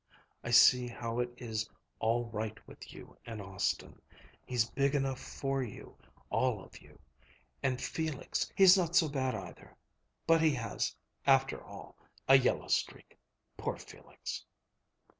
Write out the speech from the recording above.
I see how it is all right with you and Austin. He's big enough for you, all of you. And Felix he's not so bad either but he has, after all, a yellow streak. Poor Felix!"